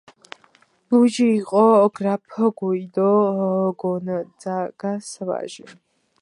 ლუიჯი იყო გრაფ გუიდო გონძაგას ვაჟი.